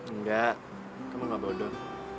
enggak kamu gak bodoh